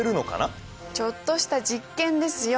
ちょっとした実験ですよ。